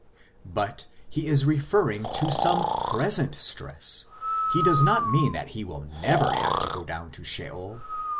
But he is referring to some present stress ; he does not mean that he will never have to go down to Sheol.